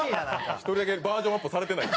１人だけバージョンアップされてない。